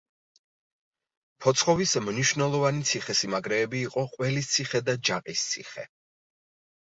ფოცხოვის მნიშვნელოვანი ციხესიმაგრეები იყო ყველისციხე და ჯაყის ციხე.